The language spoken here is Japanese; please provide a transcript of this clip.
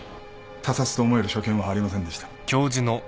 他殺と思える所見はありませんでした。